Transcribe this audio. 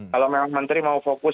kalau memang menteri mau fokus